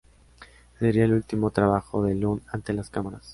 Sería el último trabajo de Lund ante las cámaras.